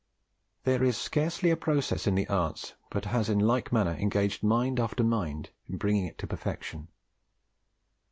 There is scarcely a process in the arts but has in like manner engaged mind after mind in bringing it to perfection.